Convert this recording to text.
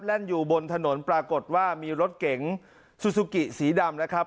อยู่บนถนนปรากฏว่ามีรถเก๋งซูซูกิสีดำนะครับ